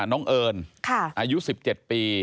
น้องเอิญอายุ๑๗ปี